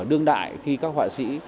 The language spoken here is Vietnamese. đương đại khi các họa sĩ